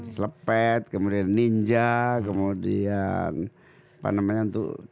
selepet kemudian ninja kemudian apa namanya untuk